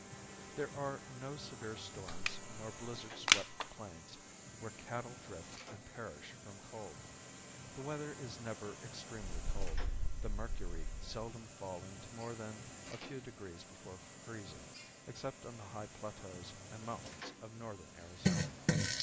There are no severe storms nor blizzard swept plains where cattle drift and perish from cold. The weather is never extremely cold, the mercury seldom falling to more than a few degrees below freezing, except upon the high plateaus and mountains of northern Arizona.